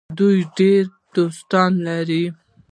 دوی ډیر دوستان لري.